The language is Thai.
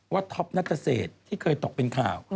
ท็อปนัตเศษที่เคยตกเป็นข่าว